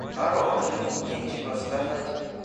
Хорош, нечего сказать!